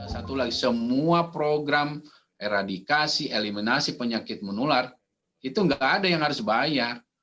satu lagi semua program eradikasi eliminasi penyakit menular itu nggak ada yang harus bayar